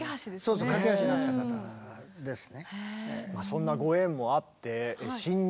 そうそう懸け橋になった方ですね。